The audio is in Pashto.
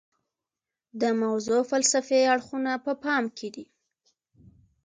د موضوع فلسفي اړخونه په پام کې دي.